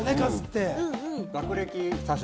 学歴詐称？